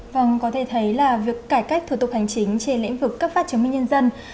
vâng có thể thấy là việc cải cách thủ tục hành chính trên lĩnh vực cấp phát chứng minh nhân dân